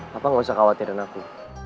bapak gak usah khawatirin aku